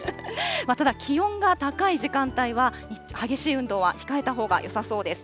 ただ、気温が高い時間帯は、激しい運動は控えたほうがよさそうです。